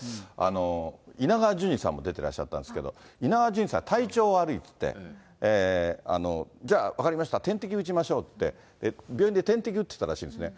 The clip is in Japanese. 稲川じゅんじさんも出てらっしゃったんですけど、稲川淳二さん、体調が悪いっていって、じゃあ、分かりました、点滴打ちましょうっていって、自分で点滴打ってたらしいんですね。